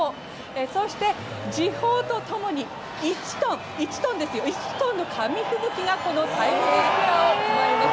そして、時報とともに１トンの紙吹雪がこのタイムズスクエアを舞います。